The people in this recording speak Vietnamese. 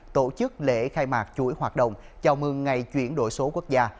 tổ chức lễ khai mạc chuỗi hoạt động chào mừng ngày chuyển đổi số quốc gia